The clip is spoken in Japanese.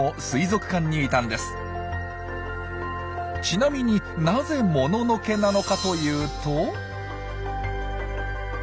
ちなみになぜ「もののけ」なのかというと。